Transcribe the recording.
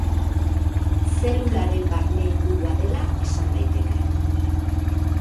Zelularen barne-ingurua dela esan daiteke.